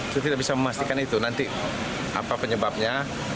saya tidak bisa memastikan itu nanti apa penyebabnya